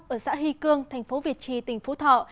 ở xã hy cương thành phố việt trì tỉnh phú thọ